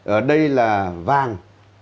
ở đây là vàng